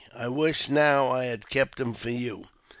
I wish now I had kept 'em for you.''